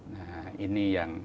nah ini yang